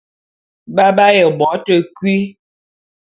Ba b'aye bo te kui.